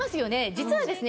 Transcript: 実はですね